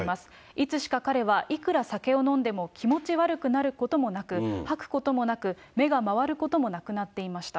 いつしか彼はいくら酒を飲んでも気持ち悪くなることもなく、吐くこともなく、目が回ることもなくなっていました。